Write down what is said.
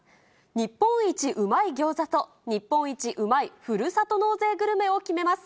日本一ウマイ餃子と、日本一うまいふるさと納税グルメを決めます。